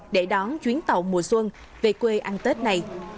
để đón chuyến tàu mùa xuân về quê ăn tết này